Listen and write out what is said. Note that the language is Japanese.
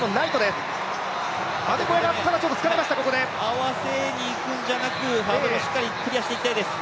合わせにいくんじゃなくて、ハードルをしっかりクリアしていきたいです。